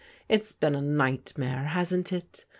It's been a ni|^ mare, hasn't it?